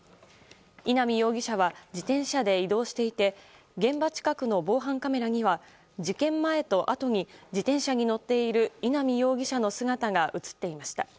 稲見容疑者は自転車で移動していて現場近くの防犯カメラには事件前とあとに自転車に乗っている稲見容疑者の姿が映っていました。